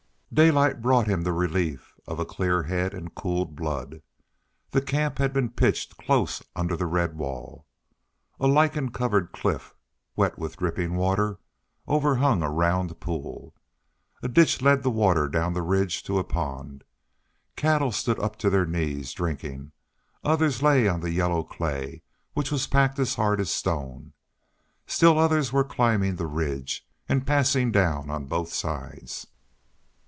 Daylight brought him the relief of a clear head and cooled blood. The camp had been pitched close under the red wall. A lichen covered cliff, wet with dripping water, overhung a round pool. A ditch led the water down the ridge to a pond. Cattle stood up to their knees drinking; others lay on the yellow clay, which was packed as hard as stone; still others were climbing the ridge and passing down on both sides.